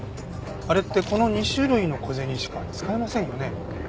あれってこの２種類の小銭しか使えませんよね？